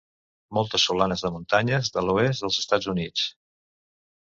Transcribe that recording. Moltes solanes de muntanyes de l'oest dels Estats Units.